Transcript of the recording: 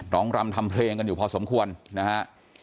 รำทำเพลงกันอยู่พอสมควรนะฮะ